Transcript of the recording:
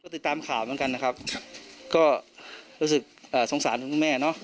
ติดตามข่าวเหมือนกันนะครับก็รู้สึกสงสารถึงคุณแม่เนอะ